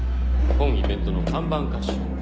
本イベントの看板歌手。